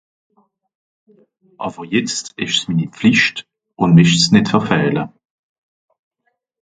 Àwwer jetzt ìsch's mini Pflìcht ùn mächt's nìtt verfähle.